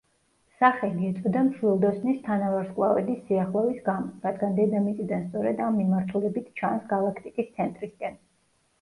სახელი ეწოდა მშვილდოსნის თანავარსკვლავედის სიახლოვის გამო, რადგან დედამიწიდან სწორედ ამ მიმართულებით ჩანს, გალაქტიკის ცენტრისაკენ.